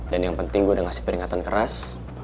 dan yang penting gua udah ngasih peringatan keras